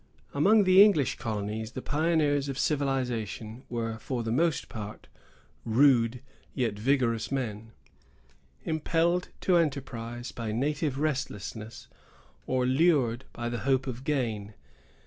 Among the English colonies, the pioneers of civilization were for the most part rude, yet vigorous men, impelled to enterprise by native restlessness, or lured by the hope of gain.